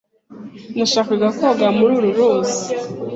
Nashakaga koga muri uru ruzi.